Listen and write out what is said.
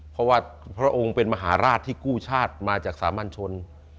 เพราะว่าพระองค์เป็นมหาราชที่กู้ชาติมาจากสามัญชน